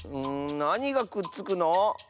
んなにがくっつくの？